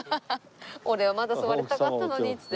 「俺はまだ座りたかったのに」っつって。